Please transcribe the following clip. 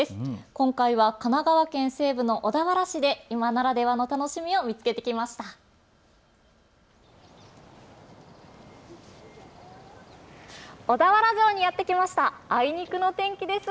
今回は神奈川県西部の小田原市で今ならではの楽しみを見つけてきます。